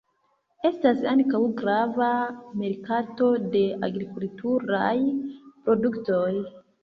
Estas ankaŭ grava merkato de agrikulturaj produktoj.